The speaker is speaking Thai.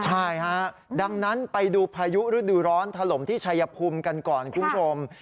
ใช่ฮะดังนั้นไปดูพายุฤดูร้อนถล่มที่ชัยภูมิกันก่อนคุณผู้ชม